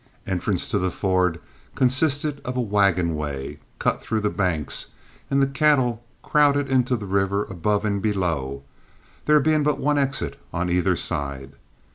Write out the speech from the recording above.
Entrance to the ford consisted of a wagon way, cut through the banks, and the cattle crowded into the river above and below, there being but one exit on either side.